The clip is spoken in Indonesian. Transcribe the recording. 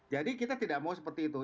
jadi kita tidak mau seperti itu